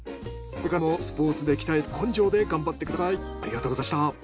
これからもスポーツで鍛えた根性で頑張ってください。